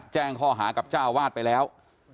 แจ้งข้อหากับเจ้าวาดไปแล้ว